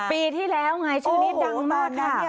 ปีที่แล้วไงชื่อนี้ดังมากค่ะ